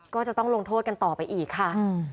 ก็จะต้องลงโทษกันต่อไปอีกค่ะ